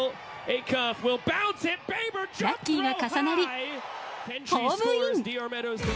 ラッキーが重なりホームイン！